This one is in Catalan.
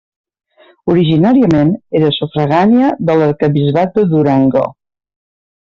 Originàriament era sufragània de l'arquebisbat de Durango.